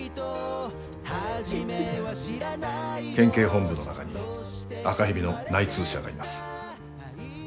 県警本部の中に赤蛇の内通者がいます。